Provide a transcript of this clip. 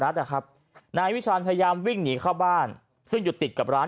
นะครับนายวิชาญพยายามวิ่งหนีเข้าบ้านซึ่งอยู่ติดกับร้าน